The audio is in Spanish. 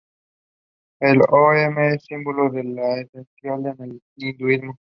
El O"ṃ" es el símbolo de lo esencial en el hinduismo.